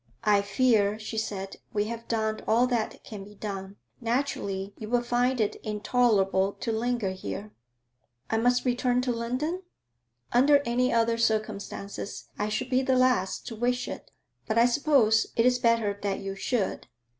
'I fear,' she said, 'we have done all that can be done. Naturally you would find it intolerable to linger here.' 'I must return to London?' 'Under any other circumstances I should be the last to wish it, but I suppose it is better that you should.'